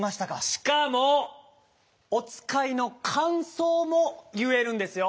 しかもおつかいのかんそうもいえるんですよ。